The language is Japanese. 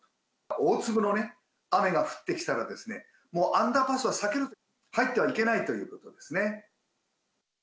大粒の雨が降ってきたらアンダーパスは避けて入ってはいけないということですね。